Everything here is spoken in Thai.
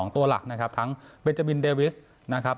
ตัวหลักนะครับทั้งเบจาบินเดวิสนะครับ